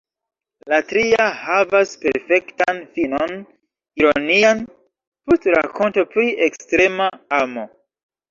La tria havas perfektan finon, ironian, post rakonto pri ekstrema amo.